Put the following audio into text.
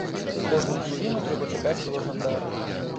Кожную хвіліну трэба чакаць было жандараў.